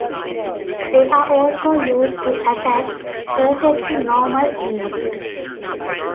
They are also used to attract Perfectly Normal Beasts.